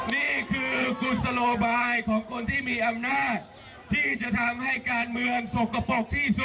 นี่คือกุศโลบายของคนที่มีอำนาจที่จะทำให้การเมืองสกปรกที่สุด